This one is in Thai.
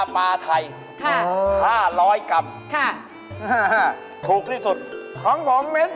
บอมเยอะแยะสิ้นสมาธิ